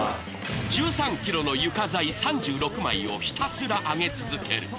１３キロの床材３６枚をひたすら上げ続ける。